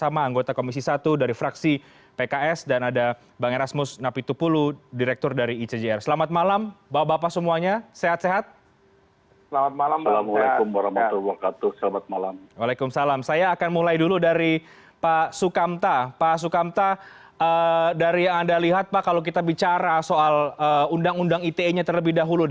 pak sukamta dari yang anda lihat pak kalau kita bicara soal undang undang ite nya terlebih dahulu